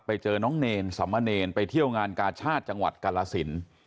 ไปเจอน้องเนรสัมมะเนรไปเที่ยวงานกาชาติจังหวัดกาลสิน